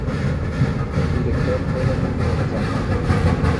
Su director fue Domingo González.